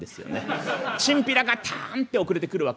チンピラがタンって遅れてくるわけ。